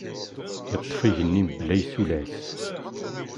Yeṭṭef igenni bla isulas.